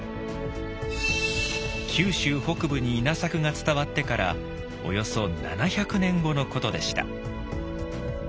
九州北部に稲作が伝わってからおよそ７００年後のことでした。